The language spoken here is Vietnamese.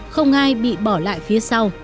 không ai bị bỏ lại phía sau